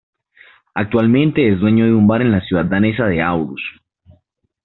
Actualmente es dueño de un bar en la ciudad danesa de Aarhus.